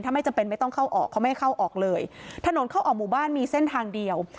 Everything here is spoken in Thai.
ถ้าไม่จำเป็นไม่ต้องเข้าออกเขาไม่ให้เข้าออกเลยถนนเข้าออกหมู่บ้านมีเส้นทางเดียว